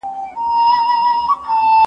سياسي پروګرامونه بې څارني مه پرېږدئ.